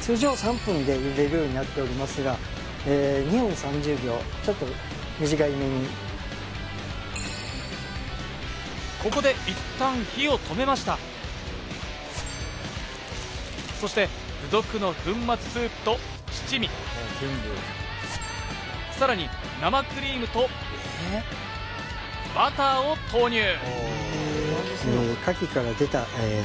通常３分で茹でるようになっておりますが２分３０秒ちょっと短めにここでいったん火を止めましたそして付属の粉末スープと七味さらに生クリームとバターを投入